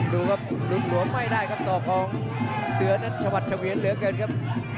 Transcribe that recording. ดูครับลุงหลวมไม่ได้ครับศอกของเสือนั้นชวัดเฉวียนเหลือเกินครับ